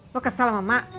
lo kesel sama mak